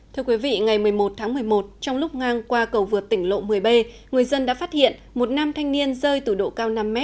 thưa quý vị ngày một mươi một tháng một mươi một trong lúc ngang qua cầu vượt tỉnh lộ một mươi b người dân đã phát hiện một nam thanh niên rơi từ độ cao năm m